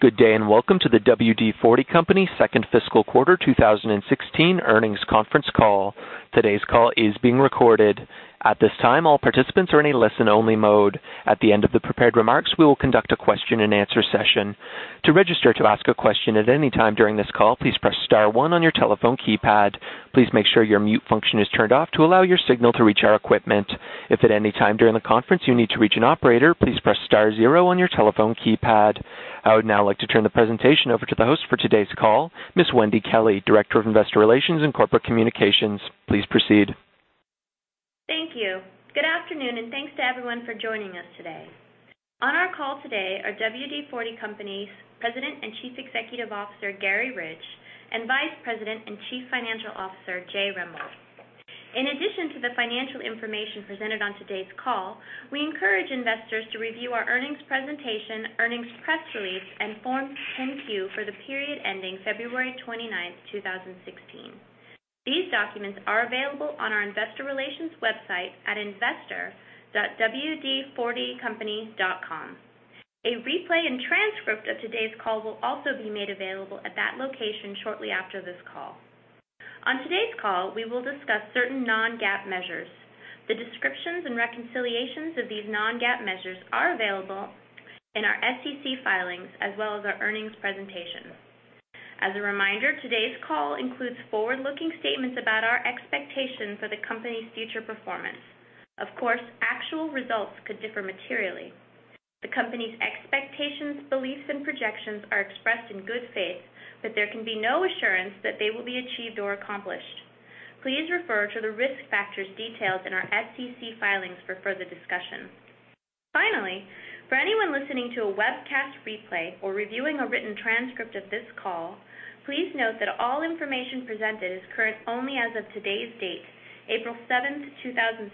Good day, and welcome to the WD-40 Company second fiscal quarter 2016 earnings conference call. Today's call is being recorded. At this time, all participants are in a listen-only mode. At the end of the prepared remarks, we will conduct a question and answer session. To register to ask a question at any time during this call, please press star one on your telephone keypad. Please make sure your mute function is turned off to allow your signal to reach our equipment. If at any time during the conference you need to reach an operator, please press star zero on your telephone keypad. I would now like to turn the presentation over to the host for today's call, Ms. Wendy Kelley, Director of Investor Relations and Corporate Communications. Please proceed. Thank you. Good afternoon, thanks to everyone for joining us today. On our call today are WD-40 Company's President and Chief Executive Officer, Garry Ridge, and Vice President and Chief Financial Officer, Jay Rembolt. In addition to the financial information presented on today's call, we encourage investors to review our earnings presentation, earnings press release, and Form 10-Q for the period ending February 29, 2016. These documents are available on our investor relations website at investor.wd40company.com. A replay and transcript of today's call will also be made available at that location shortly after this call. On today's call, we will discuss certain non-GAAP measures. The descriptions and reconciliations of these non-GAAP measures are available in our SEC filings as well as our earnings presentation. As a reminder, today's call includes forward-looking statements about our expectations for the company's future performance. Of course, actual results could differ materially. The company's expectations, beliefs, and projections are expressed in good faith, there can be no assurance that they will be achieved or accomplished. Please refer to the risk factors detailed in our SEC filings for further discussion. Finally, for anyone listening to a webcast replay or reviewing a written transcript of this call, please note that all information presented is current only as of today's date, April 7th, 2016.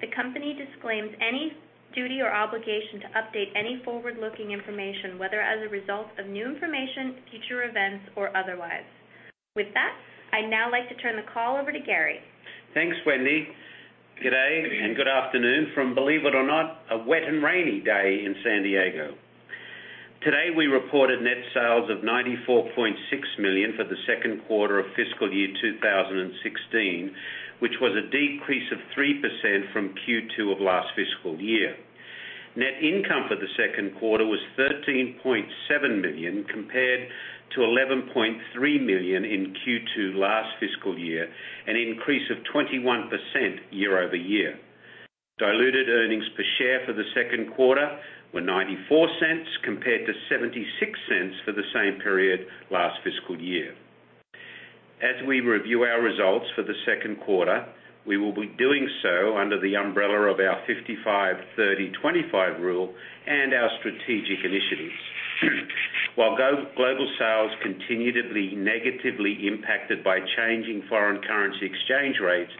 The company disclaims any duty or obligation to update any forward-looking information, whether as a result of new information, future events, or otherwise. With that, I'd now like to turn the call over to Garry. Thanks, Wendy. Good day, good afternoon from, believe it or not, a wet and rainy day in San Diego. Today, we reported net sales of $94.6 million for the second quarter of fiscal year 2016, which was a decrease of 3% from Q2 of last fiscal year. Net income for the second quarter was $13.7 million compared to $11.3 million in Q2 last fiscal year, an increase of 21% year-over-year. Diluted earnings per share for the second quarter were $0.94 compared to $0.76 for the same period last fiscal year. As we review our results for the second quarter, we will be doing so under the umbrella of our 55/30/25 rule and our strategic initiatives. While global sales continued to be negatively impacted by changing foreign currency exchange rates,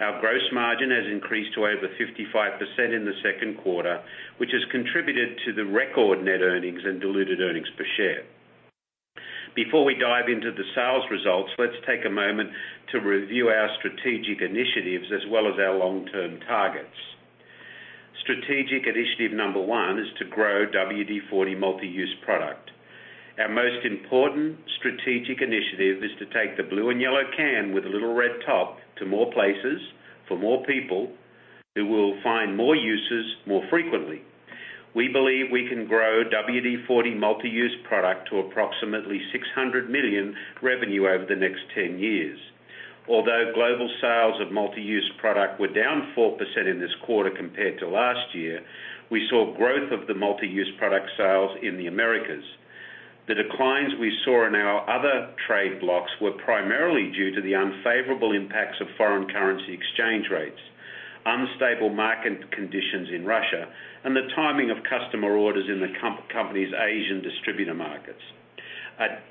our gross margin has increased to over 55% in the second quarter, which has contributed to the record net earnings and diluted earnings per share. Before we dive into the sales results, let's take a moment to review our strategic initiatives as well as our long-term targets. Strategic initiative number one is to grow WD-40 Multi-Use Product. Our most important strategic initiative is to take the blue and yellow can with a little red top to more places for more people who will find more uses more frequently. We believe we can grow WD-40 Multi-Use Product to approximately $600 million revenue over the next 10 years. Although global sales of Multi-Use Product were down 4% in this quarter compared to last year, we saw growth of the Multi-Use Product sales in the Americas. The declines we saw in our other trade blocks were primarily due to the unfavorable impacts of foreign currency exchange rates, unstable market conditions in Russia, and the timing of customer orders in the company's Asian distributor markets.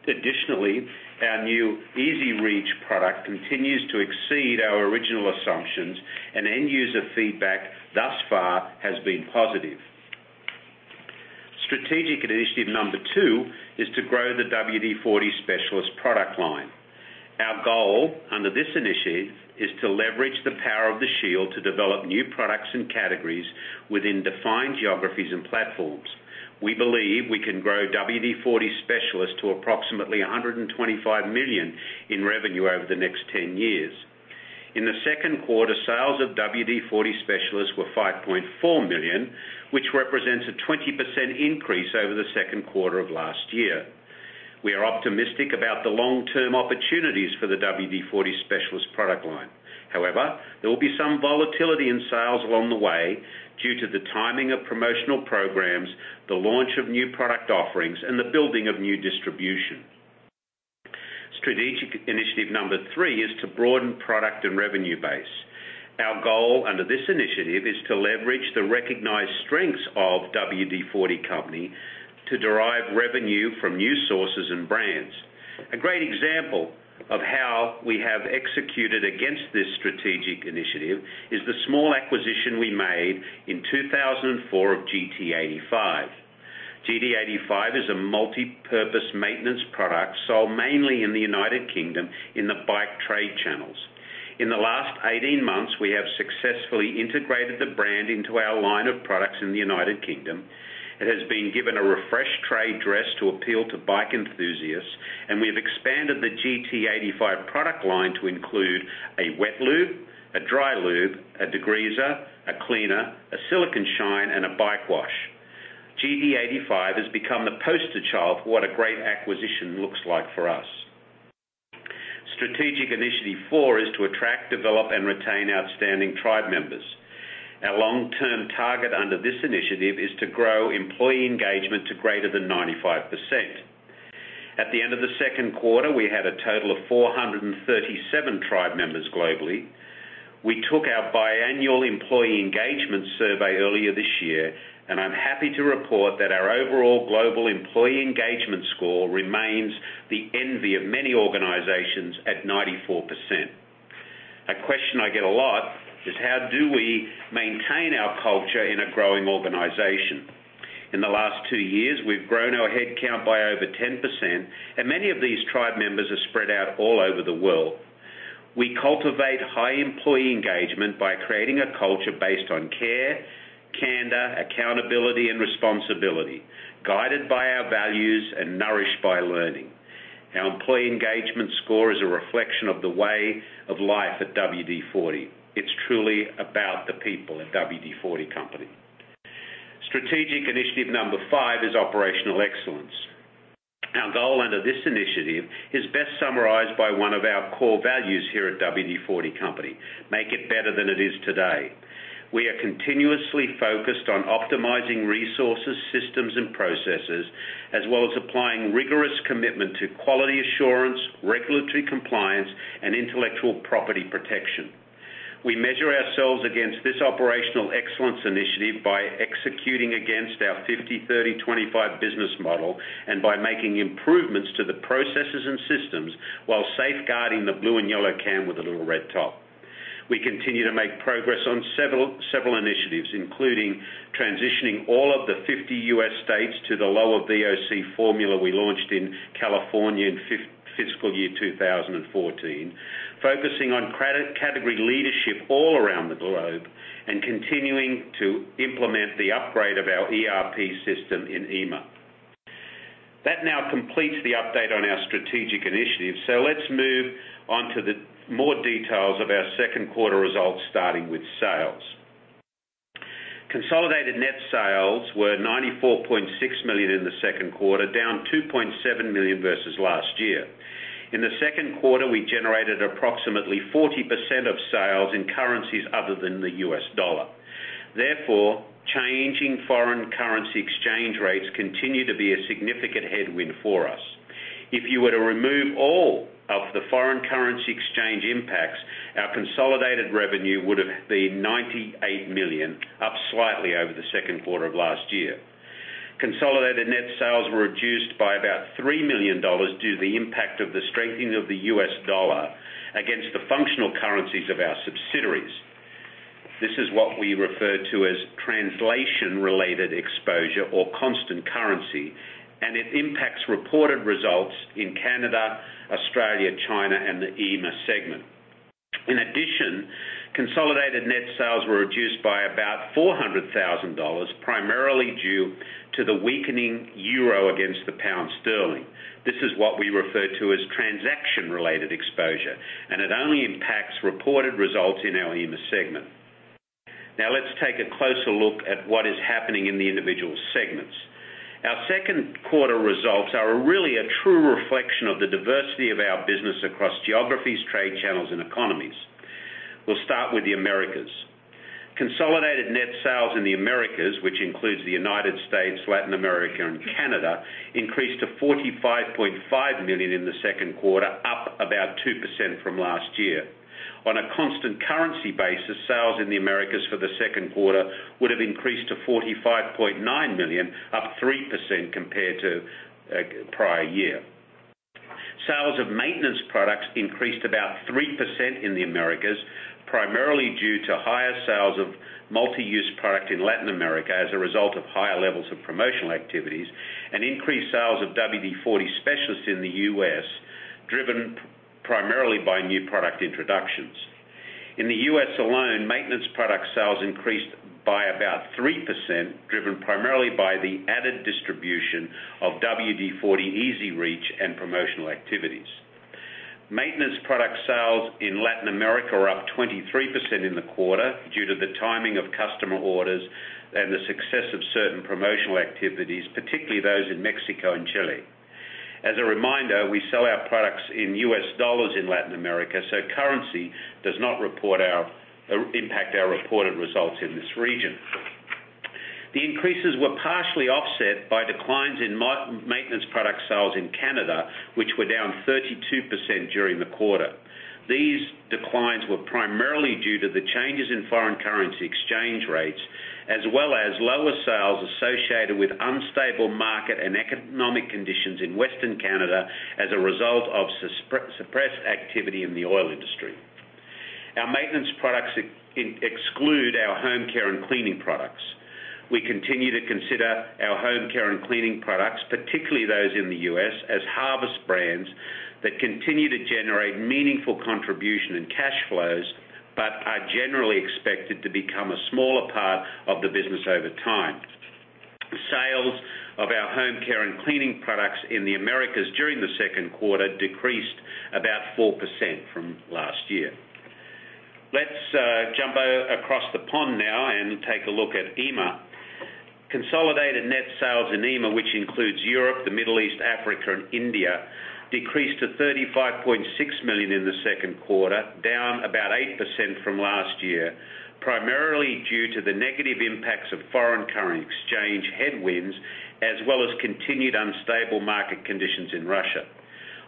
Additionally, our new EZ-REACH product continues to exceed our original assumptions, and end-user feedback thus far has been positive. Strategic initiative number two is to grow the WD-40 Specialist product line. Our goal under this initiative is to leverage the power of the shield to develop new products and categories within defined geographies and platforms. We believe we can grow WD-40 Specialist to approximately $125 million in revenue over the next 10 years. In the second quarter, sales of WD-40 Specialist were $5.4 million, which represents a 20% increase over the second quarter of last year. We are optimistic about the long-term opportunities for the WD-40 Specialist product line. However, there will be some volatility in sales along the way due to the timing of promotional programs, the launch of new product offerings, and the building of new distribution. Strategic initiative number three is to broaden product and revenue base. Our goal under this initiative is to leverage the recognized strengths of WD-40 Company to derive revenue from new sources and brands. A great example of how we have executed against this strategic initiative is the small acquisition we made in 2004 of GT85. GT85 is a multipurpose maintenance product sold mainly in the United Kingdom in the bike trade channels. In the last 18 months, we have successfully integrated the brand into our line of products in the United Kingdom. It has been given a refreshed trade dress to appeal to bike enthusiasts, and we have expanded the GT85 product line to include a wet lube, a dry lube, a degreaser, a cleaner, a silicone shine, and a bike wash. GT85 has become the poster child for what a great acquisition looks like for us. Strategic initiative four is to attract, develop, and retain outstanding tribe members. Our long-term target under this initiative is to grow employee engagement to greater than 95%. At the end of the second quarter, we had a total of 437 tribe members globally. We took our biannual employee engagement survey earlier this year, and I'm happy to report that our overall global employee engagement score remains the envy of many organizations at 94%. A question I get a lot is: how do we maintain our culture in a growing organization? In the last two years, we've grown our headcount by over 10%, and many of these tribe members are spread out all over the world. We cultivate high employee engagement by creating a culture based on care, candor, accountability, and responsibility, guided by our values and nourished by learning. Our employee engagement score is a reflection of the way of life at WD-40. It's truly about the people at WD-40 Company. Strategic initiative number 5 is operational excellence. Our goal under this initiative is best summarized by one of our core values here at WD-40 Company: Make it better than it is today. We are continuously focused on optimizing resources, systems, and processes, as well as applying rigorous commitment to quality assurance, regulatory compliance, and intellectual property protection. We measure ourselves against this operational excellence initiative by executing against our 55/30/25 business model and by making improvements to the processes and systems while safeguarding the blue and yellow can with a little red top. We continue to make progress on several initiatives, including transitioning all of the 50 U.S. states to the lower VOC formula we launched in California in fiscal year 2014, focusing on category leadership all around the globe, and continuing to implement the upgrade of our ERP system in EMEA. Now completes the update on our strategic initiatives. Let's move on to more details of our second quarter results, starting with sales. Consolidated net sales were $94.6 million in the second quarter, down $2.7 million versus last year. In the second quarter, we generated approximately 40% of sales in currencies other than the U.S. dollar. Changing foreign currency exchange rates continue to be a significant headwind for us. If you were to remove all of the foreign currency exchange impacts, our consolidated revenue would've been $98 million, up slightly over the second quarter of last year. Consolidated net sales were reduced by about $3 million due to the impact of the strengthening of the U.S. dollar against the functional currencies of our subsidiaries. This is what we refer to as translation-related exposure or constant currency, and it impacts reported results in Canada, Australia, China, and the EMEA segment. In addition, consolidated net sales were reduced by about $400,000, primarily due to the weakening euro against the pound sterling. This is what we refer to as transaction-related exposure, and it only impacts reported results in our EMEA segment. Let's take a closer look at what is happening in the individual segments. Our second quarter results are really a true reflection of the diversity of our business across geographies, trade channels, and economies. We'll start with the Americas. Consolidated net sales in the Americas, which includes the United States, Latin America, and Canada, increased to $45.5 million in the second quarter, up about 2% from last year. On a constant currency basis, sales in the Americas for the second quarter would have increased to $45.9 million, up 3% compared to prior year. Sales of maintenance products increased about 3% in the Americas, primarily due to higher sales of Multi-Use Product in Latin America as a result of higher levels of promotional activities and increased sales of WD-40 Specialist in the U.S., driven primarily by new product introductions. In the U.S. alone, maintenance product sales increased by about 3%, driven primarily by the added distribution of WD-40 EZ-REACH and promotional activities. Maintenance product sales in Latin America are up 23% in the quarter due to the timing of customer orders and the success of certain promotional activities, particularly those in Mexico and Chile. As a reminder, we sell our products in U.S. dollars in Latin America, so currency does not impact our reported results in this region. The increases were partially offset by declines in maintenance product sales in Canada, which were down 32% during the quarter. These declines were primarily due to the changes in foreign currency exchange rates, as well as lower sales associated with unstable market and economic conditions in Western Canada as a result of suppressed activity in the oil industry. Our maintenance products exclude our home care and cleaning products. We continue to consider our home care and cleaning products, particularly those in the U.S., as harvest brands that continue to generate meaningful contribution and cash flows, but are generally expected to become a smaller part of the business over time. Sales of our home care and cleaning products in the Americas during the second quarter decreased about 4% from last year. Let's jump across the pond now and take a look at EMEA. Consolidated net sales in EMEA, which includes Europe, the Middle East, Africa, and India, decreased to $35.6 million in the second quarter, down about 8% from last year, primarily due to the negative impacts of foreign currency exchange headwinds, as well as continued unstable market conditions in Russia.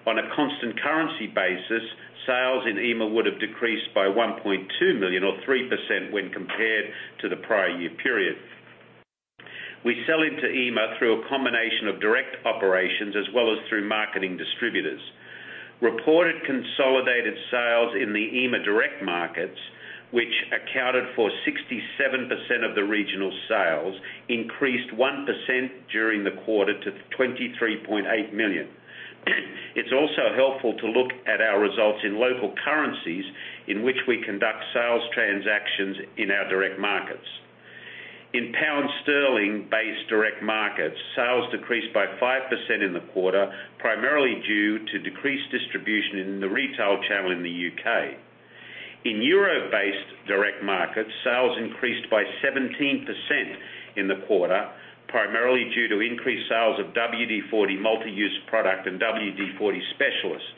On a constant currency basis, sales in EMEA would have decreased by $1.2 million or 3% when compared to the prior year period. We sell into EMEA through a combination of direct operations as well as through marketing distributors. Reported consolidated sales in the EMEA direct markets, which accounted for 67% of the regional sales, increased 1% during the quarter to $23.8 million. It's also helpful to look at our results in local currencies in which we conduct sales transactions in our direct markets. In GBP-based direct markets, sales decreased by 5% in the quarter, primarily due to decreased distribution in the retail channel in the U.K. In EUR-based direct markets, sales increased by 17% in the quarter, primarily due to increased sales of WD-40 Multi-Use Product and WD-40 Specialist.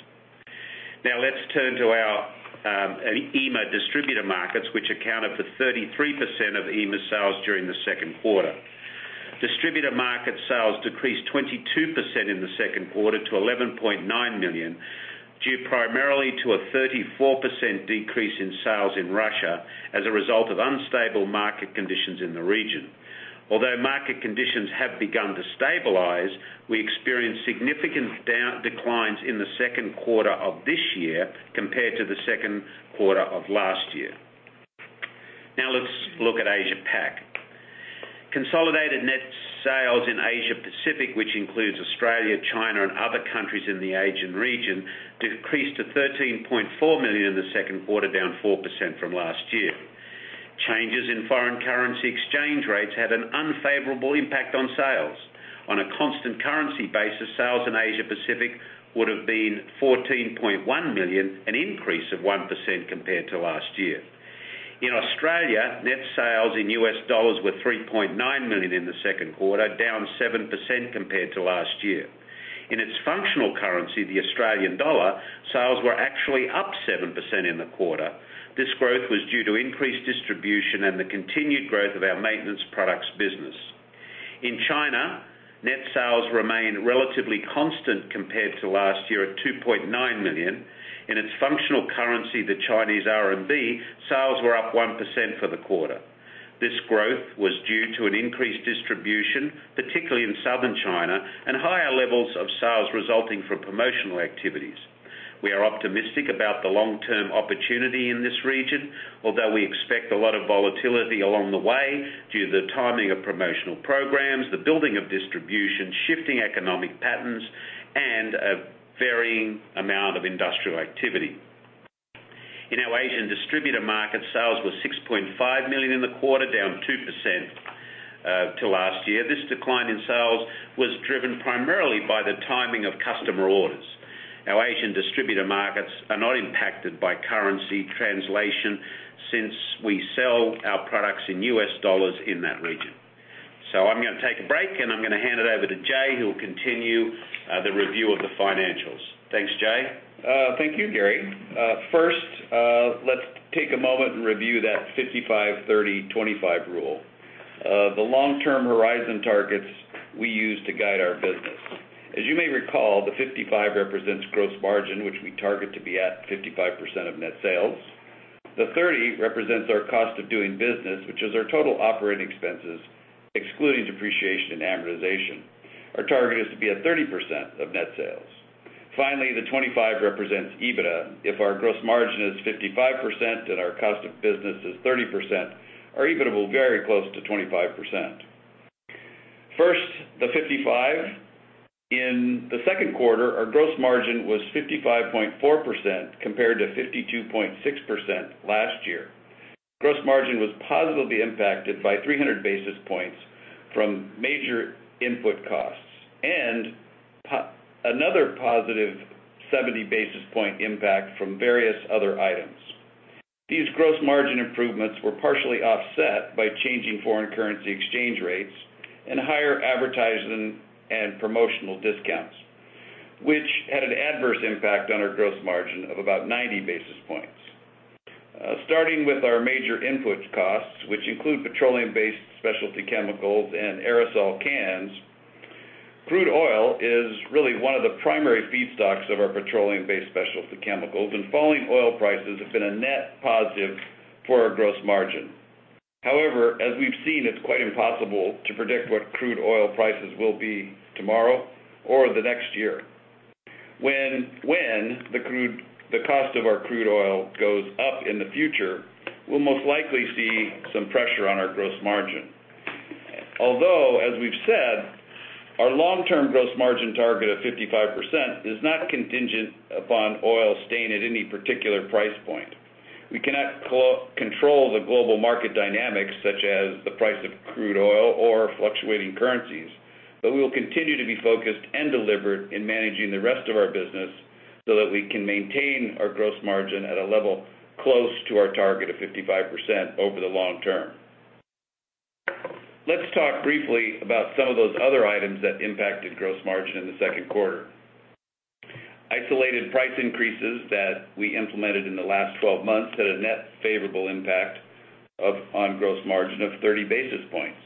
Let's turn to our EMEA distributor markets, which accounted for 33% of EMEA sales during the second quarter. Distributor market sales decreased 22% in the second quarter to $11.9 million, due primarily to a 34% decrease in sales in Russia as a result of unstable market conditions in the region. Although market conditions have begun to stabilize, we experienced significant declines in the second quarter of this year compared to the second quarter of last year. Let's look at Asia Pacific. Consolidated net sales in Asia Pacific, which includes Australia, China, and other countries in the Asian region, decreased to $13.4 million in the second quarter, down 4% from last year. Changes in foreign currency exchange rates had an unfavorable impact on sales. On a constant currency basis, sales in Asia Pacific would have been $14.1 million, an increase of 1% compared to last year. In Australia, net sales in U.S. dollars were $3.9 million in the second quarter, down 7% compared to last year. In its functional currency, the Australian dollar, sales were actually up 7% in the quarter. This growth was due to increased distribution and the continued growth of our maintenance products business. In China, net sales remained relatively constant compared to last year at $2.9 million. In its functional currency, the Chinese RMB, sales were up 1% for the quarter. This growth was due to an increased distribution, particularly in Southern China, and higher levels of sales resulting from promotional activities. We are optimistic about the long-term opportunity in this region, although we expect a lot of volatility along the way due to the timing of promotional programs, the building of distribution, shifting economic patterns, and a varying amount of industrial activity. In our Asian distributor markets, sales were $6.5 million in the quarter, down 2% to last year. This decline in sales was driven primarily by the timing of customer orders. Our Asian distributor markets are not impacted by currency translation since we sell our products in US dollars in that region. I'm going to take a break, and I'm going to hand it over to Jay, who will continue the review of the financials. Thanks, Jay. Thank you, Garry. First, let's take a moment and review that 55/30/25 rule, the long-term horizon targets we use to guide our business. As you may recall, the 55 represents gross margin, which we target to be at 55% of net sales. The 30 represents our cost of doing business, which is our total operating expenses, excluding depreciation and amortization. Our target is to be at 30% of net sales. Finally, the 25 represents EBITDA. If our gross margin is 55% and our cost of business is 30%, our EBITDA will vary close to 25%. First, the 55. In the second quarter, our gross margin was 55.4% compared to 52.6% last year. Gross margin was positively impacted by 300 basis points from major input costs and another positive 70 basis point impact from various other items. These gross margin improvements were partially offset by changing foreign currency exchange rates and higher advertising and promotional discounts, which had an adverse impact on our gross margin of about 90 basis points. Starting with our major input costs, which include petroleum-based specialty chemicals and aerosol cans, crude oil is really one of the primary feedstocks of our petroleum-based specialty chemicals, and falling oil prices have been a net positive for our gross margin. However, as we've seen, it's quite impossible to predict what crude oil prices will be tomorrow or the next year. When the cost of our crude oil goes up in the future, we'll most likely see some pressure on our gross margin. Although, as we've said, our long-term gross margin target of 55% is not contingent upon oil staying at any particular price point. We cannot control the global market dynamics such as the price of crude oil or fluctuating currencies, but we will continue to be focused and deliberate in managing the rest of our business so that we can maintain our gross margin at a level close to our target of 55% over the long term. Let's talk briefly about some of those other items that impacted gross margin in the second quarter. Isolated price increases that we implemented in the last 12 months had a net favorable impact on gross margin of 30 basis points.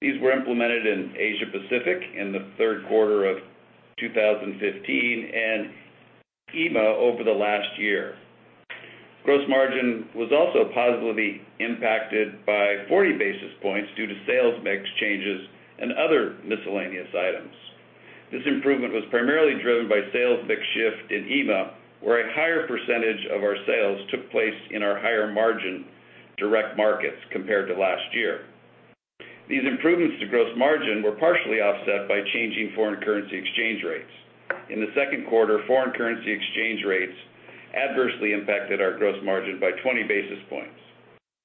These were implemented in Asia Pacific in the third quarter of 2015 and EMEA over the last year. Gross margin was also positively impacted by 40 basis points due to sales mix changes and other miscellaneous items. This improvement was primarily driven by sales mix shift in EMEA, where a higher percentage of our sales took place in our higher margin direct markets compared to last year. These improvements to gross margin were partially offset by changing foreign currency exchange rates. In the second quarter, foreign currency exchange rates adversely impacted our gross margin by 20 basis points.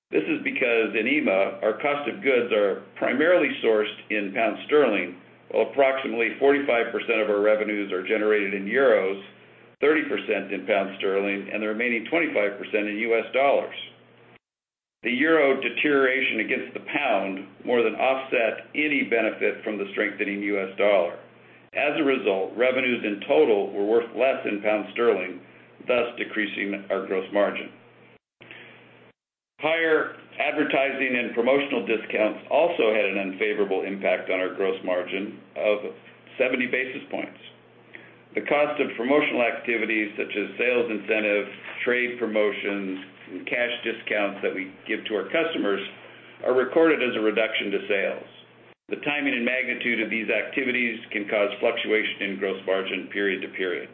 This is because in EMEA, our cost of goods are primarily sourced in GBP, while approximately 45% of our revenues are generated in EUR, 30% in GBP, and the remaining 25% in USD. The EUR deterioration against the GBP more than offset any benefit from the strengthening USD. As a result, revenues in total were worth less in GBP, thus decreasing our gross margin. Higher advertising and promotional discounts also had an unfavorable impact on our gross margin of 70 basis points. The cost of promotional activities such as sales incentives, trade promotions, and cash discounts that we give to our customers, are recorded as a reduction to sales. The timing and magnitude of these activities can cause fluctuation in gross margin period to period.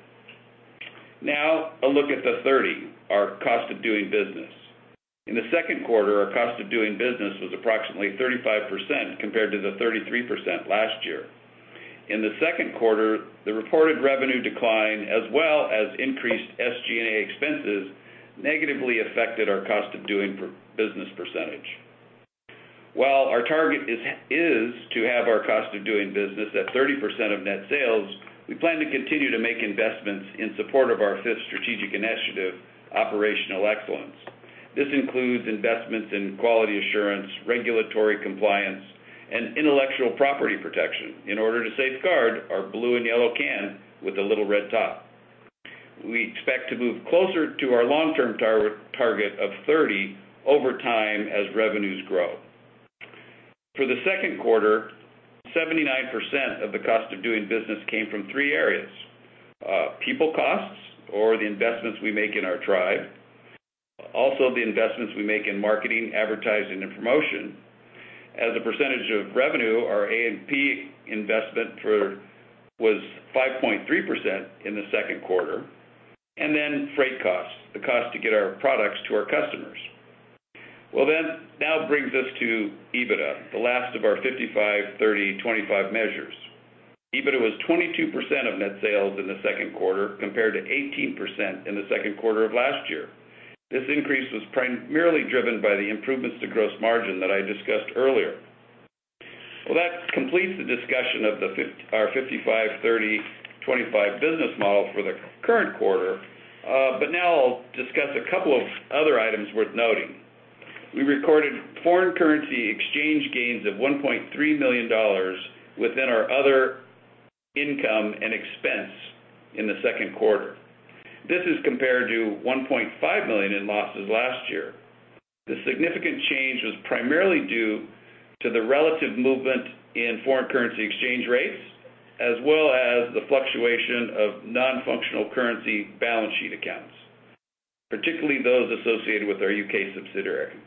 Now, a look at the 30%, our cost of doing business. In the second quarter, our cost of doing business was approximately 35% compared to the 33% last year. In the second quarter, the reported revenue decline as well as increased SG&A expenses negatively affected our cost of doing business percentage. While our target is to have our cost of doing business at 30% of net sales, we plan to continue to make investments in support of our fifth strategic initiative, Operational Excellence. This includes investments in quality assurance, regulatory compliance, and intellectual property protection in order to safeguard our blue and yellow can with a little red top. We expect to move closer to our long-term target of 30% over time as revenues grow. For the second quarter, 79% of the cost of doing business came from three areas. People costs or the investments we make in our tribe. The investments we make in marketing, advertising, and promotion. As a percentage of revenue, our A&P investment was 5.3% in the second quarter. Freight costs, the cost to get our products to our customers. Now brings us to EBITDA, the last of our 55/30/25 measures. EBITDA was 22% of net sales in the second quarter, compared to 18% in the second quarter of last year. This increase was primarily driven by the improvements to gross margin that I discussed earlier. Well, that completes the discussion of our 55/30/25 business model for the current quarter. Now I'll discuss a couple of other items worth noting. We recorded foreign currency exchange gains of $1.3 million within our other income and expense in the second quarter. This is compared to $1.5 million in losses last year. The significant change was primarily due to the relative movement in foreign currency exchange rates, as well as the fluctuation of non-functional currency balance sheet accounts, particularly those associated with our U.K. subsidiary.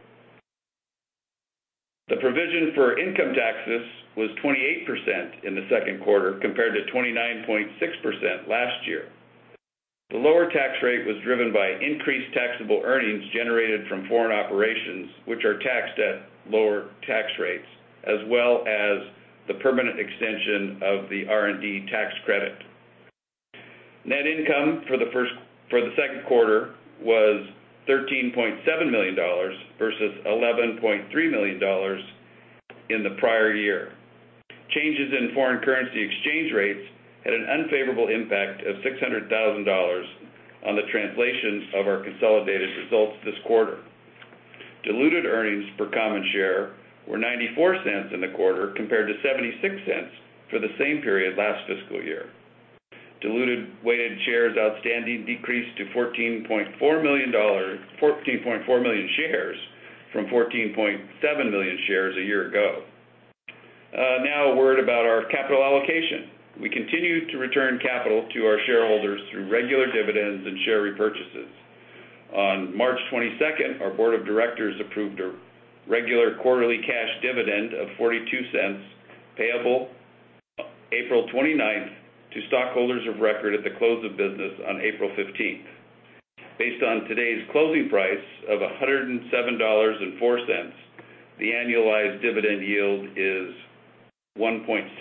The provision for income taxes was 28% in the second quarter, compared to 29.6% last year. The lower tax rate was driven by increased taxable earnings generated from foreign operations, which are taxed at lower tax rates, as well as the permanent extension of the R&D tax credit. Net income for the second quarter was $13.7 million versus $11.3 million in the prior year. Changes in foreign currency exchange rates had an unfavorable impact of $600,000 on the translations of our consolidated results this quarter. Diluted earnings per common share were $0.94 in the quarter, compared to $0.76 for the same period last fiscal year. Diluted weighted shares outstanding decreased to 14.4 million shares from 14.7 million shares a year ago. A word about our capital allocation. We continue to return capital to our shareholders through regular dividends and share repurchases. On March 22nd, our board of directors approved a regular quarterly cash dividend of $0.42, payable April 29th to stockholders of record at the close of business on April 15th. Based on today's closing price of $107.04, the annualized dividend yield is 1.6%.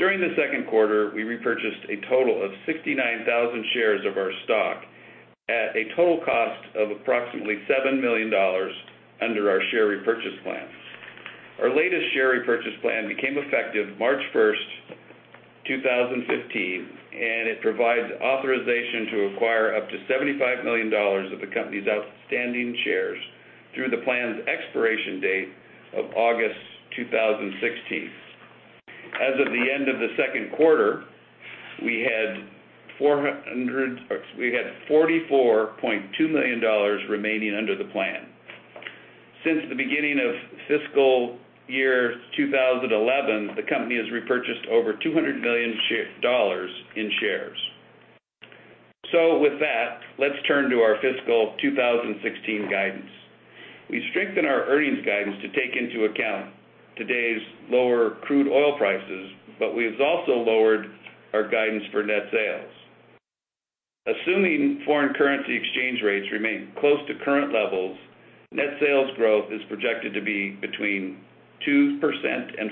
During the second quarter, we repurchased a total of 69,000 shares of our stock at a total cost of approximately $7 million under our share repurchase plan. Our latest share repurchase plan became effective March 1st, 2015, and it provides authorization to acquire up to $75 million of the company's outstanding shares through the plan's expiration date of August 2016. As of the end of the second quarter, we had $44.2 million remaining under the plan. Since the beginning of fiscal year 2011, the company has repurchased over $200 million in shares. With that, let's turn to our fiscal 2016 guidance. We strengthened our earnings guidance to take into account today's lower crude oil prices, we've also lowered our guidance for net sales. Assuming foreign currency exchange rates remain close to current levels, net sales growth is projected to be between 2%-4%,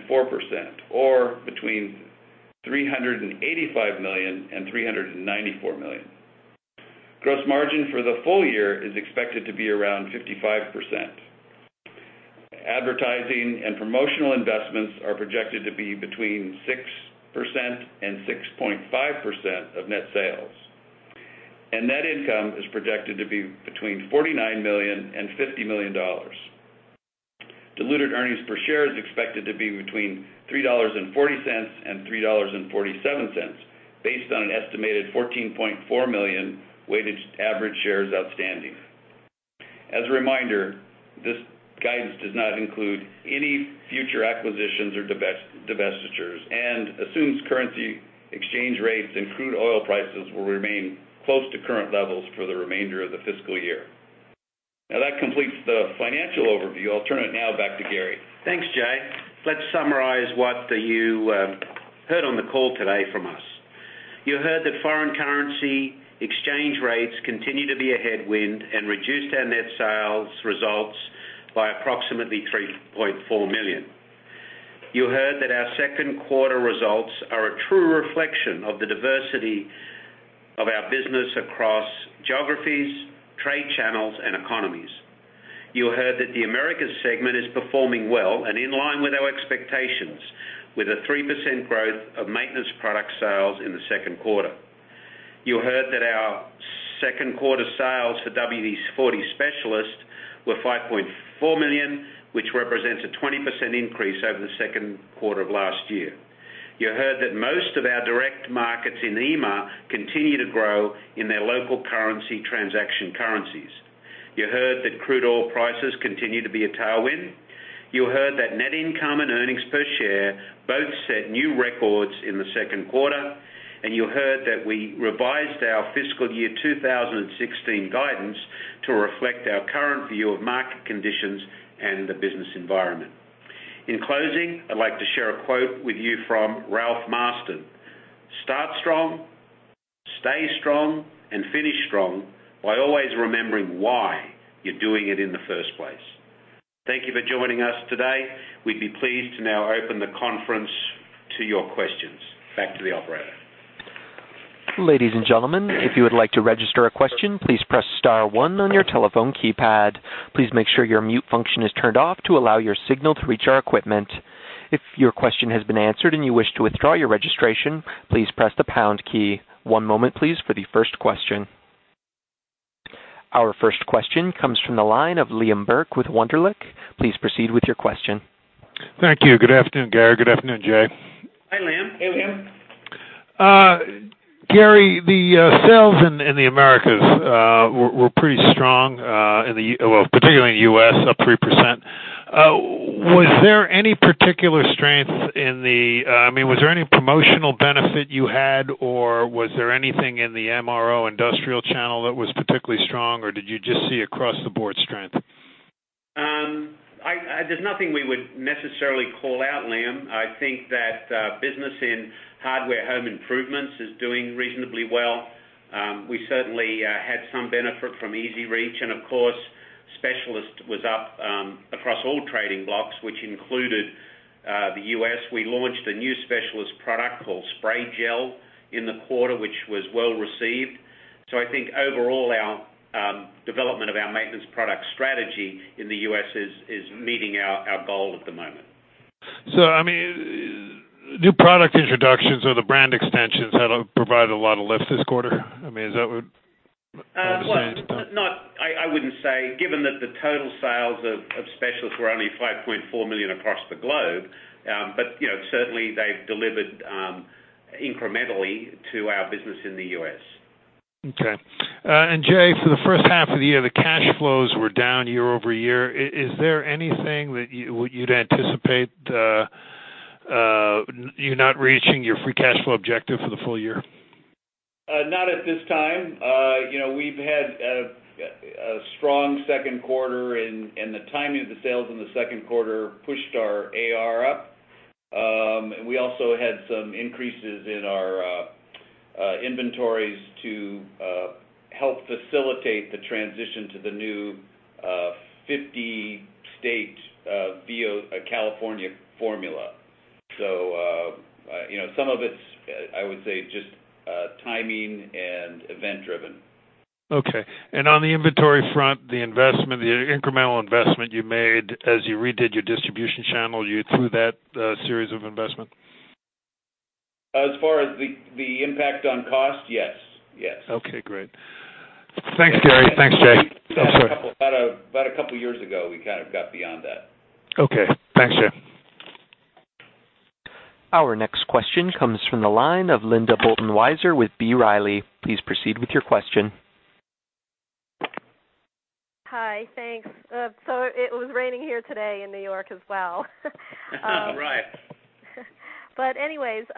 or between $385 million-$394 million. Gross margin for the full year is expected to be around 55%. Advertising and promotional investments are projected to be between 6%-6.5% of net sales. Net income is projected to be between $49 million-$50 million. Diluted earnings per share is expected to be between $3.40-$3.47, based on an estimated 14.4 million weighted average shares outstanding. As a reminder, this guidance does not include any future acquisitions or divestitures and assumes currency exchange rates and crude oil prices will remain close to current levels for the remainder of the fiscal year. That completes the financial overview. I'll turn it now back to Garry. Thanks, Jay. Let's summarize what you heard on the call today from us. You heard that foreign currency exchange rates continue to be a headwind and reduced our net sales results by approximately $3.4 million. You heard that our second quarter results are a true reflection of the diversity of our business across geographies, trade channels, and economies. You heard that the Americas segment is performing well and in line with our expectations, with a 3% growth of maintenance product sales in the second quarter. You heard that our second quarter sales for WD-40 Specialist were $5.4 million, which represents a 20% increase over the second quarter of last year. You heard that most of our direct markets in EMEA continue to grow in their local currency transaction currencies. You heard that crude oil prices continue to be a tailwind. You heard that net income and earnings per share both set new records in the second quarter. You heard that we revised our fiscal year 2016 guidance to reflect our current view of market conditions and the business environment. In closing, I'd like to share a quote with you from Ralph Marston: "Start strong, stay strong, and finish strong by always remembering why you're doing it in the first place." Thank you for joining us today. We'd be pleased to now open the conference to your questions. Back to the operator. Ladies and gentlemen, if you would like to register a question, please press *1 on your telephone keypad. Please make sure your mute function is turned off to allow your signal to reach our equipment. If your question has been answered and you wish to withdraw your registration, please press the # key. One moment, please, for the first question. Our first question comes from the line of Liam Burke with Wunderlich. Please proceed with your question. Thank you. Good afternoon, Garry. Good afternoon, Jay. Hi, Liam. Hey, Liam. Garry, the sales in the Americas were pretty strong, well, particularly in the U.S., up 3%. Was there any promotional benefit you had, or was there anything in the MRO industrial channel that was particularly strong, or did you just see across the board strength? There's nothing we would necessarily call out, Liam. I think that business in hardware home improvements is doing reasonably well. We certainly had some benefit from EZ-REACH, and of course, Specialist was up across all trading blocks, which included the U.S. We launched a new Specialist product called Spray Gel in the quarter, which was well-received. I think overall, our development of our maintenance product strategy in the U.S. is meeting our goal at the moment. New product introductions or the brand extensions that'll provide a lot of lift this quarter? Is that what you're saying? I wouldn't say, given that the total sales of Specialist were only $5.4 million across the globe. Certainly, they've delivered incrementally to our business in the U.S. Okay. Jay, for the first half of the year, the cash flows were down year-over-year. Is there anything that you'd anticipate You're not reaching your free cash flow objective for the full year? Not at this time. We've had a strong second quarter, and the timing of the sales in the second quarter pushed our AR up. We also had some increases in our inventories to help facilitate the transition to the new 50-state VOC compliant formula. Some of it's, I would say, just timing and event-driven. Okay. On the inventory front, the incremental investment you made as you redid your distribution channel, you through that series of investment? As far as the impact on cost? Yes. Okay, great. Thanks, Garry. Thanks, Jay. Oh, sorry. About a couple of years ago, we kind of got beyond that. Okay. Thanks, Jay. Our next question comes from the line of Linda Bolton-Weiser with B. Riley. Please proceed with your question. Hi, thanks. It was raining here today in New York as well. Right. Anyways, it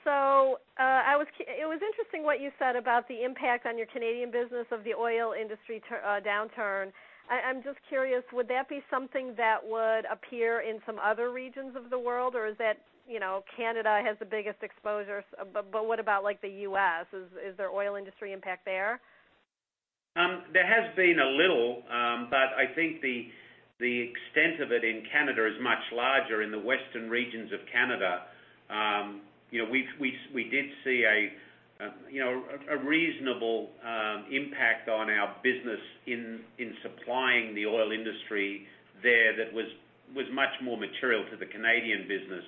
was interesting what you said about the impact on your Canadian business of the oil industry downturn. I'm just curious, would that be something that would appear in some other regions of the world, or is that Canada has the biggest exposure, but what about like the U.S.? Is there oil industry impact there? There has been a little, I think the extent of it in Canada is much larger in the western regions of Canada. We did see a reasonable impact on our business in supplying the oil industry there that was much more material to the Canadian business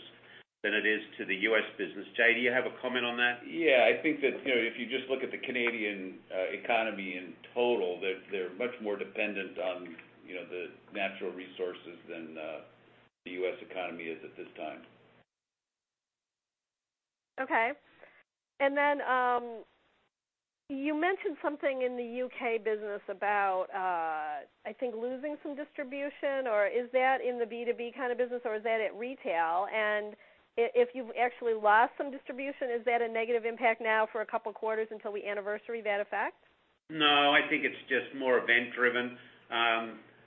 than it is to the U.S. business. Jay, do you have a comment on that? Yeah, I think that if you just look at the Canadian economy in total, they're much more dependent on the natural resources than the U.S. economy is at this time. Okay. Then, you mentioned something in the U.K. business about, I think, losing some distribution, or is that in the B2B kind of business, or is that at retail? If you've actually lost some distribution, is that a negative impact now for a couple of quarters until we anniversary that effect? No, I think it's just more event-driven.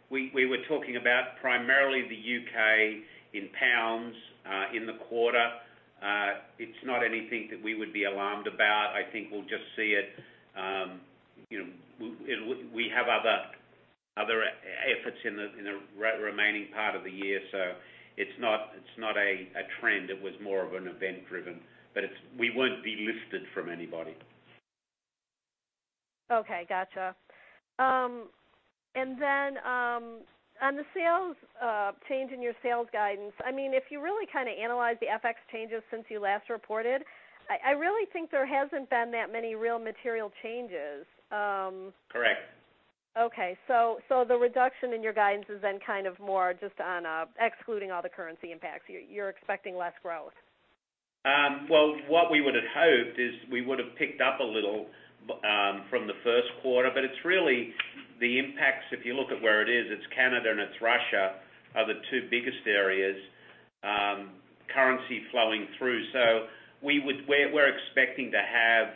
We were talking about primarily the U.K. in GBP, in the quarter. It's not anything that we would be alarmed about. I think we'll just see it. We have other efforts in the remaining part of the year. It's not a trend. It was more of an event-driven. We won't be lifted from anybody. Okay, gotcha. On the change in your sales guidance, if you really analyze the FX changes since you last reported, I really think there hasn't been that many real material changes. Correct. Okay. The reduction in your guidance is then more just on excluding all the currency impacts. You're expecting less growth. Well, what we would have hoped is we would have picked up a little from the first quarter. It's really the impacts, if you look at where it is, it's Canada and it's Russia are the two biggest areas currency flowing through. We're expecting to have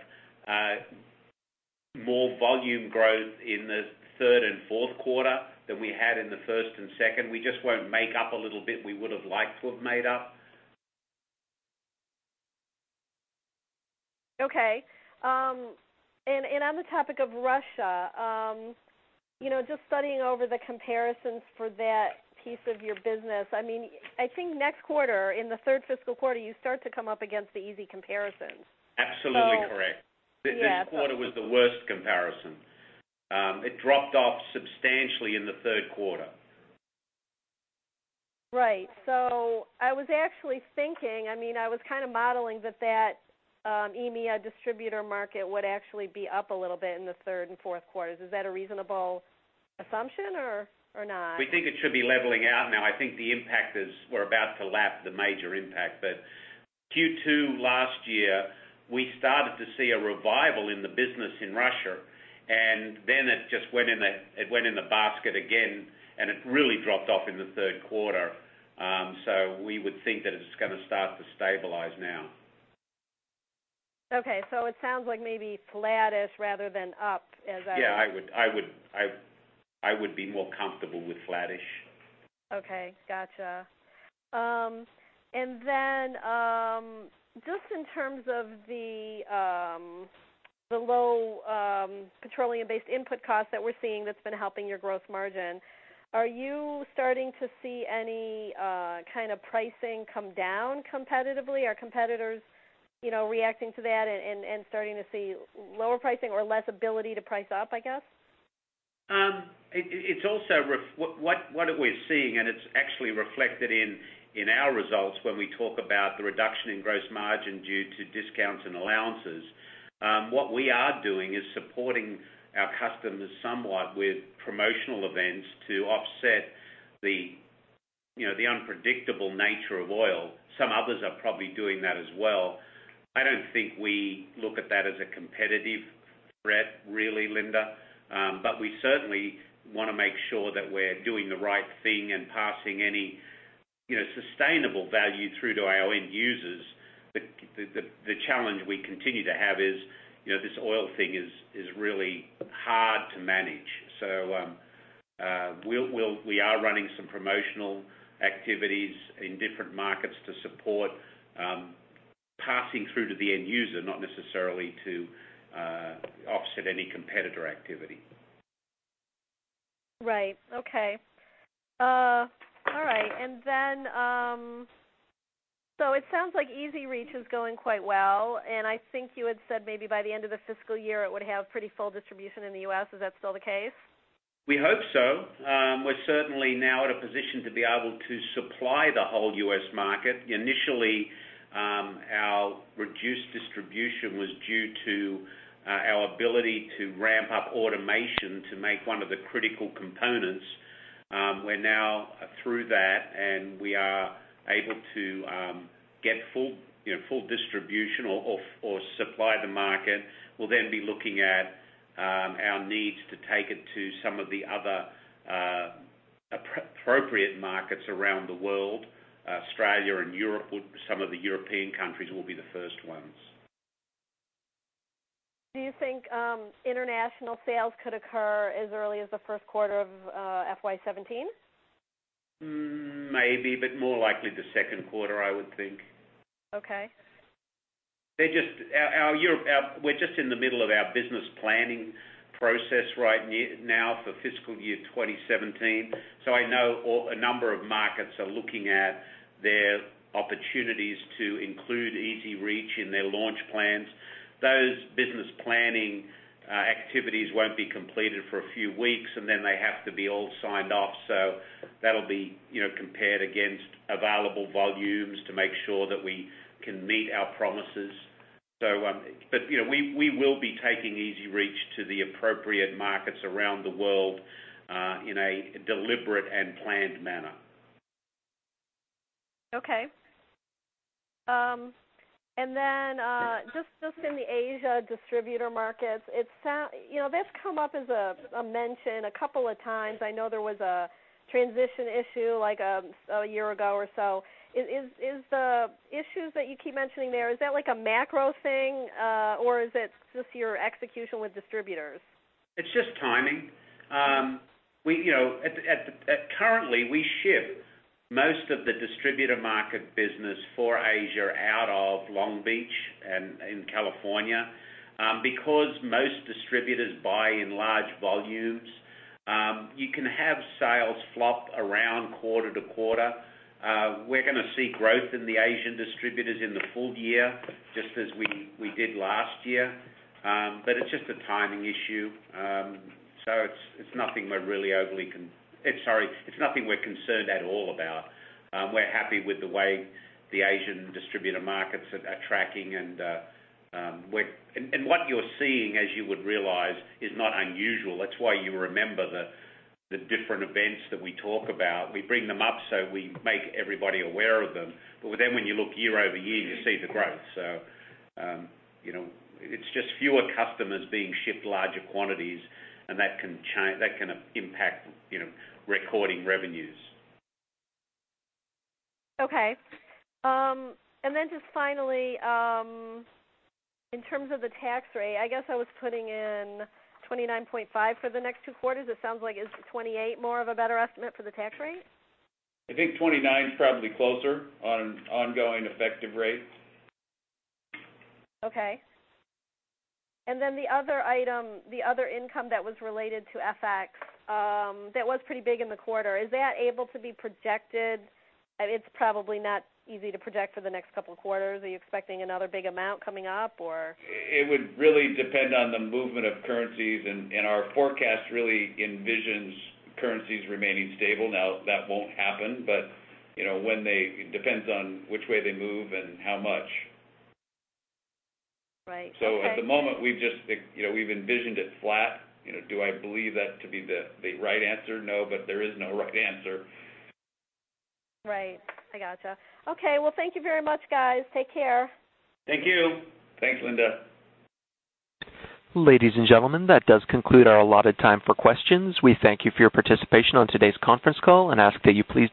more volume growth in the third and fourth quarter than we had in the first and second. We just won't make up a little bit we would've liked to have made up. Okay. On the topic of Russia, just studying over the comparisons for that piece of your business, I think next quarter, in the third fiscal quarter, you start to come up against the easy comparisons. Absolutely correct. Yeah. This quarter was the worst comparison. It dropped off substantially in the third quarter. Right. I was actually thinking, I was kind of modeling that that EMEA distributor market would actually be up a little bit in the third and fourth quarters. Is that a reasonable assumption or not? We think it should be leveling out now. I think we're about to lap the major impact. Q2 last year, we started to see a revival in the business in Russia, and then it just went in the basket again, and it really dropped off in the third quarter. We would think that it's going to start to stabilize now. Okay. It sounds like maybe flattish rather than up, as I- Yeah, I would be more comfortable with flattish. Okay, gotcha. Just in terms of the low petroleum-based input cost that we're seeing that's been helping your gross margin, are you starting to see any kind of pricing come down competitively? Are competitors reacting to that and starting to see lower pricing or less ability to price up, I guess? What we're seeing, and it's actually reflected in our results when we talk about the reduction in gross margin due to discounts and allowances. What we are doing is supporting our customers somewhat with promotional events to offset the unpredictable nature of oil. Some others are probably doing that as well. I don't think we look at that as a competitive threat really, Linda. We certainly want to make sure that we're doing the right thing and passing any sustainable value through to our end users. The challenge we continue to have is, this oil thing is really hard to manage. We are running some promotional activities in different markets to support passing through to the end user, not necessarily to offset any competitor activity. Right. Okay. All right. It sounds like EZ-REACH is going quite well, and I think you had said maybe by the end of the fiscal year, it would have pretty full distribution in the U.S. Is that still the case? We hope so. We're certainly now at a position to be able to supply the whole U.S. market. Initially, our reduced distribution was due to our ability to ramp up automation to make one of the critical components. We're now through that, we are able to get full distribution or supply the market. We'll then be looking at our needs to take it to some of the other appropriate markets around the world. Australia and some of the European countries will be the first ones. Do you think international sales could occur as early as the first quarter of FY 2017? Maybe, more likely the second quarter, I would think. Okay. We're just in the middle of our business planning process right now for fiscal year 2017. I know a number of markets are looking at their opportunities to include EZ-REACH in their launch plans. Those business planning activities won't be completed for a few weeks, they have to be all signed off. That'll be compared against available volumes to make sure that we can meet our promises. We will be taking EZ-REACH to the appropriate markets around the world, in a deliberate and planned manner. Okay. Just in the Asia distributor markets, that's come up as a mention a couple of times. I know there was a transition issue a year ago or so. Is the issues that you keep mentioning there, is that like a macro thing, or is it just your execution with distributors? It's just timing. Currently, we ship most of the distributor market business for Asia out of Long Beach and in California. Because most distributors buy in large volumes, you can have sales flop around quarter to quarter. We're going to see growth in the Asian distributors in the full year, just as we did last year. It's just a timing issue. It's nothing we're concerned at all about. We're happy with the way the Asian distributor markets are tracking and what you're seeing, as you would realize, is not unusual. That's why you remember the different events that we talk about. We bring them up, we make everybody aware of them. When you look year-over-year, you see the growth. It's just fewer customers being shipped larger quantities and that can impact recording revenues. Okay. Just finally, in terms of the tax rate, I guess I was putting in 29.5 for the next 2 quarters. It sounds like, is 28 more of a better estimate for the tax rate? I think 29 is probably closer on ongoing effective rates. Okay. The other item, the other income that was related to FX, that was pretty big in the quarter. Is that able to be projected? It's probably not easy to project for the next couple of quarters. Are you expecting another big amount coming up, or? It would really depend on the movement of currencies. Our forecast really envisions currencies remaining stable. Now that won't happen, but it depends on which way they move and how much. Right. Okay. At the moment, we've envisioned it flat. Do I believe that to be the right answer? No, but there is no right answer. Right. I gotcha. Okay. Thank you very much, guys. Take care. Thank you. Thanks, Linda. Ladies and gentlemen, that does conclude our allotted time for questions. We thank you for your participation on today's conference call and ask that you please.